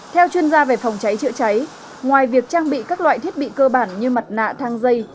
theo chuyên gia về phòng cháy chữa cháy ngoài việc trang bị các loại thiết bị cơ bản như mặt nạ thang dây